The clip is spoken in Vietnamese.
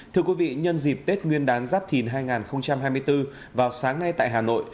thưa quý vị nhân dịp tết nguyên đán giáp thìn hai nghìn hai mươi bốn vào sáng nay tại hà nội